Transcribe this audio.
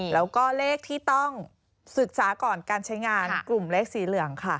แล้วก็เลขที่ต้องศึกษาก่อนการใช้งานกลุ่มเลขสีเหลืองค่ะ